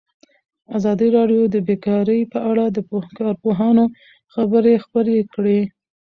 ازادي راډیو د بیکاري په اړه د کارپوهانو خبرې خپرې کړي.